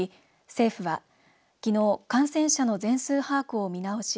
政府はきのう感染者の全数把握を見直し